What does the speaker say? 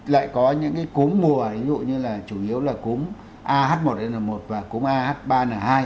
lại có những cái cúm mùa ví dụ như là chủ yếu là cúm a h một n một và cúm a h ba n hai